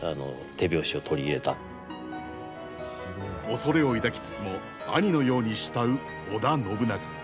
恐れを抱きつつも兄のように慕う織田信長。